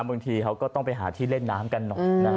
บางทีเขาก็ต้องไปหาที่เล่นน้ำกันหน่อย